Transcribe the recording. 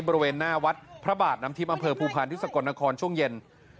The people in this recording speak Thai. บริเวณหน้าวัดพระบาทน้ำทิพย์อำเภอภูพันธ์ที่สกลนครช่วงเย็น